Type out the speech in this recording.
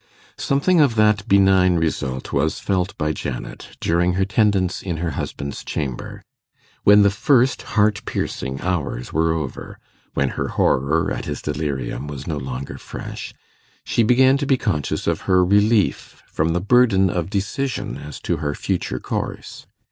Something of that benign result was felt by Janet during her tendance in her husband's chamber. When the first heart piercing hours were over when her horror at his delirium was no longer fresh, she began to be conscious of her relief from the burden of decision as to her future course.